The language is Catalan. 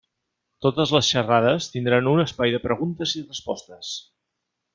Totes les xerrades tindran un espai de preguntes i respostes.